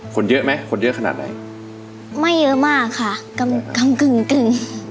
คนเยอะไหมคนเยอะขนาดไหนไม่เยอะมากค่ะกำกำกึ่งกึ่ง